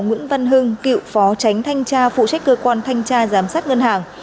nguyễn văn hưng cựu phó tránh thanh tra phụ trách cơ quan thanh tra giám sát ngân hàng